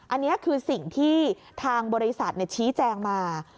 อันนี้คือสิ่งที่ทางบริษัทชี้แจงมา